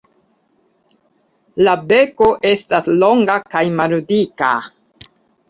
La beko estas longa kaj maldika.